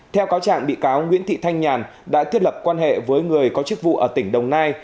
theo cáo trạng bị cáo nguyễn thị thanh nhàn đã thiết lập quan hệ với người có chức vụ ở tỉnh đồng nai